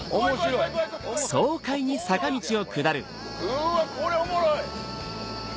うわこれおもろい！